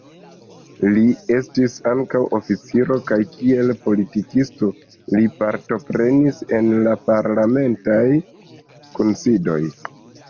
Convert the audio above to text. Li estis ankaŭ oficiro kaj kiel politikisto, li partoprenis en la parlamentaj kunsidoj.